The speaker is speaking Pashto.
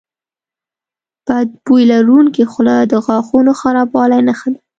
بد بوی لرونکي خوله د غاښونو خرابوالي نښه ده.